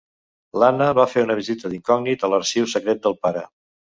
L'Anna va fer una visita d'incògnit a l'arxiu secret del pare.